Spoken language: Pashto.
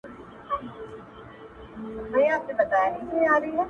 زما د ورور ناوې زما کور ته په څو لکه راځي~